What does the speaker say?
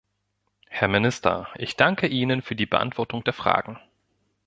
Herr Minister, ich danke Ihnen für die Beantwortung der Fragen.